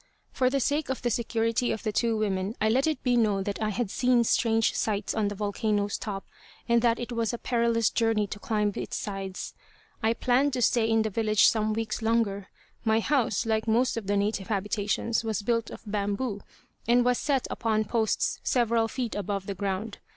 For the sake of the security of the two women I let it be known that I had seen strange sights on the volcano's top, and that it was a perilous journey to climb its sides. I planned to stay in the village some weeks longer. My house, like most of the native habitations, was built of bamboo, and was set upon posts several feet above the ground.